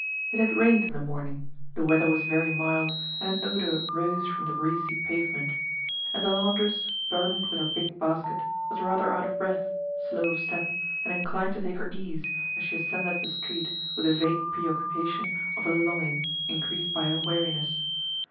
It had rained in the morning, the weather was very mild and an odor rose from the greasy pavement; and the laundress, burdened with her big basket, was rather out of breath, slow of step, and inclined to take her ease as she ascended the street with the vague preoccupation of a longing increased by her weariness.